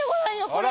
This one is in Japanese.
これ。